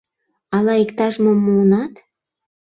Ала иктаж-мом муынат?..